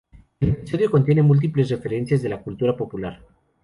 El episodio contiene múltiples referencias de la cultura popular.